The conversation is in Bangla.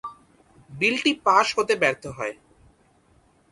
বিলটি পাস হতে ব্যর্থ হয়।